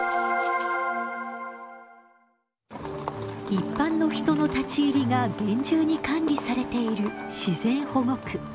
一般の人の立ち入りが厳重に管理されている自然保護区。